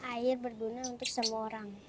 air berguna untuk semua orang